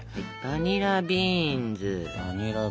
バニラビーンズ。